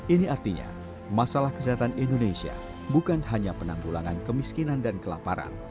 ini artinya masalah kesehatan indonesia bukan hanya penanggulangan kemiskinan dan kelaparan